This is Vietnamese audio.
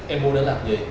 em mua đó làm gì